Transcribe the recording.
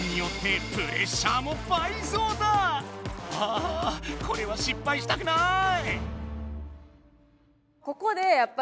あこれはしっぱいしたくない！